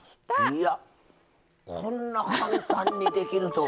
いやこんな簡単にできるとは。